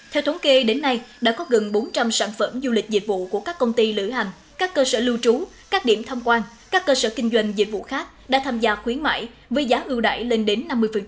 theo thống kê đến nay đã có gần bốn trăm linh sản phẩm du lịch dịch vụ của các công ty lửa hành các cơ sở lưu trú các điểm thăm quan các cơ sở kinh doanh dịch vụ khác đã tham gia khuyến mại với giá ưu đại lên đến năm mươi